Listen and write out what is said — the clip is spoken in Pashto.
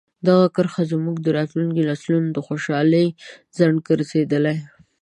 دغه کرښه زموږ د راتلونکي نسلونو د خوشحالۍ خنډ ګرځېدلې.